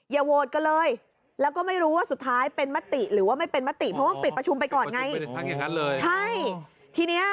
อย่าโหวตก็เลยแล้วก็ไม่รู้ว่าสุดท้ายเป็นมติหรือว่าไม่เป็นมติ